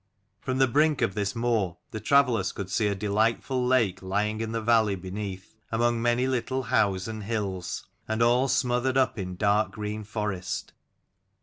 From the brink of this moor the travellers could see a delightful lake lying in the valley beneath, among many little howes and hills, and all smothered up in dark green forest.